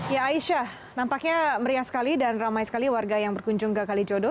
ya aisyah nampaknya meriah sekali dan ramai sekali warga yang berkunjung ke kalijodo